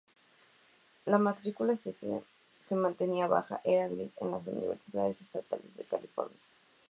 La matrícula se mantenía baja -era gratis en las universidades estatales de California.